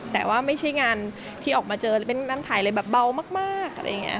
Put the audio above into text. แต่ว่าไม่ใช่งานที่ออกมาเจอเป็นงานถ่ายอะไรแบบเบามาก